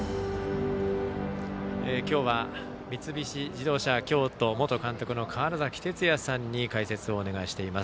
今日は三菱自動車京都元監督の川原崎哲也さんに解説をお願いしています。